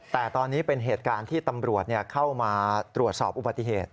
แต่ตอนนี้เป็นเหตุการณ์ที่ตำรวจเข้ามาตรวจสอบอุบัติเหตุ